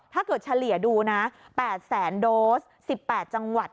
ถ้าเกิดเฉลี่ยดูนะ๘๐๐โดส๑๘จังหวัด